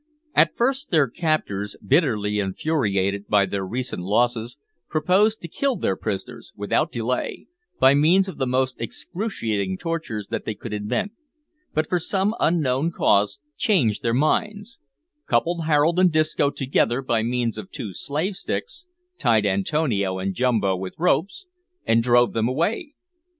At first their captors, bitterly infuriated by their recent losses, proposed to kill their prisoners, without delay, by means of the most excruciating tortures that they could invent, but from some unknown cause, changed their minds; coupled Harold and Disco together by means of two slave sticks; tied Antonio and Jumbo with ropes, and drove them away.